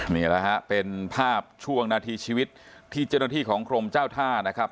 นี่แหละฮะเป็นภาพช่วงนาทีชีวิตที่เจ้าหน้าที่ของกรมเจ้าท่านะครับ